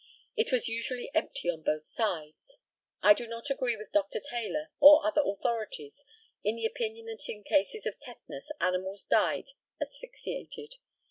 It was usually empty on both sides. I do not agree with Dr. Taylor, or other authorities, in the opinion that in cases of tetanus animals died asphyxiated.